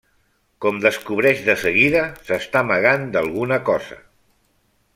Com descobreix de seguida, s'està amagant d'alguna cosa.